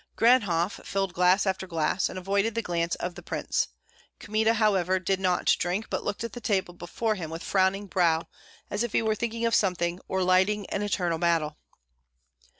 Ganhoff filled glass after glass, and avoided the glance of the prince. Kmita, however, did not drink, but looked at the table before him with frowning brow, as if he were thinking of something, or lighting an internal battle.